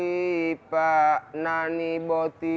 itu saya mendirikan namanya pusat kajian kebudayaan melayu gorontalo